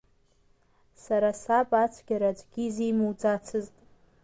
Сара саб ацәгьара аӡәгьы изимуӡацызт.